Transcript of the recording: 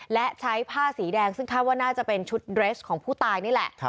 และใช้ผ้าสีแดงซึ่งคาดว่าน่าจะเป็นชุดเรสของผู้ตายนี่แหละ